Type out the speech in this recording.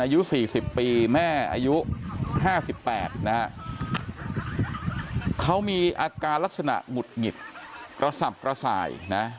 อายุ๔๐ปีแม่อายุ๕๘นะฮะเขามีอาการลักษณะหงุดหงิดกระสับกระส่ายนะ